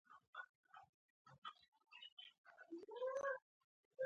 ګمان نه شي کېدای چې کابینه به په سالمه توګه جوړه شي.